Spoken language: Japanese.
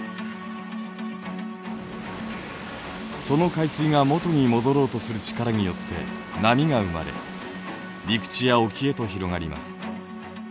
その海水が元に戻ろうとする力によって波が生まれ陸地や沖へと広がります。